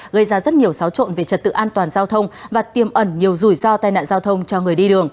gây ra rất nhiều xáo trộn về trật tự an toàn giao thông và tiêm ẩn nhiều rủi ro tai nạn giao thông cho người đi đường